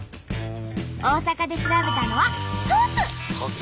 大阪で調べたのはソース！